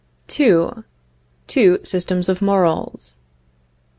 II. TWO SYSTEMS OF MORALS.